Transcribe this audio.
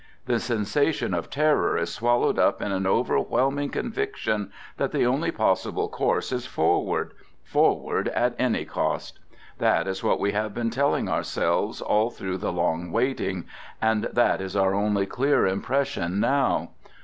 The sensation of terror is swallowed up in an overwhelming convic tion that the only possible course is forward — for ward at any cost. That is what we have been tell ing ourselves all through the long waiting, and that is our only clear impression now.